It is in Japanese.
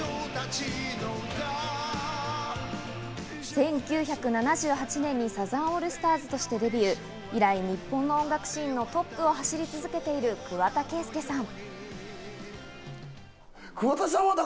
１９７８年にサザンオールスターズとしてデビュー、以来日本の音楽シーンのトップを走り続けている桑田佳祐さん。